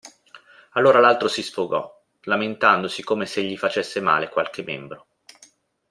Allora l'altro si sfogò, lamentandosi come se gli facesse male qualche membro.